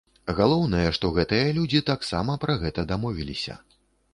Галоўнае, што гэтыя людзі таксама пра гэта дамовіліся.